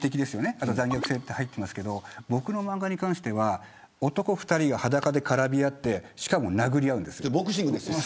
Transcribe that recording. あと残虐性って入ってますけど僕の漫画に関しては男２人が裸で絡み合ってそれ、ボクシングですよ。